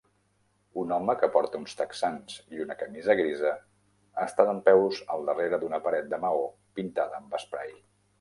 Un home que porta uns texans i una camisa grisa està dempeus al darrere d'una paret de maó pintada amb esprai.